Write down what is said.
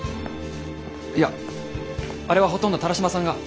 いやあれはほとんど田良島さんが。